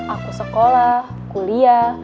aku sekolah kuliah